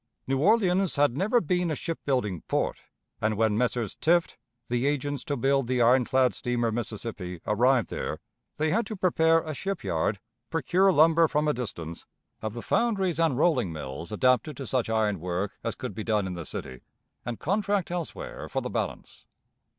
New Orleans had never been a ship building port, and when the Messrs. Tift, the agents to build the iron dad steamer Mississippi, arrived there, they had to prepare a ship yard, procure lumber from a distance, have the foundries and rolling mills adapted to such iron work as could be done in the city, and contract elsewhere for the balance.